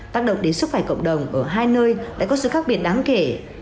tác động đến sức khỏe cộng đồng ở hai nơi đã có sự khác biệt đáng kể